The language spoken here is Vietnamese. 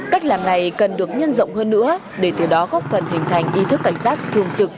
cách làm này cần được nhân rộng hơn nữa để từ đó góp phần hình thành ý thức cảnh giác thường trực